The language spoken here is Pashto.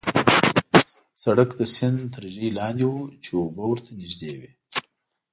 سړک د سیند تر ژۍ لاندې وو، چې اوبه ورته نژدې وې.